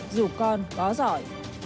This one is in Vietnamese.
dù con có giỏi